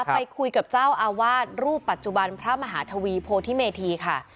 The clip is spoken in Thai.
ไปคุยกับเจ้าอาวาสรูปปัจจุบันพระมหาทวีโพธิเมธีค่ะ